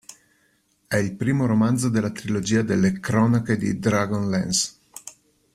È il primo romanzo della trilogia delle "Cronache di Dragonlance".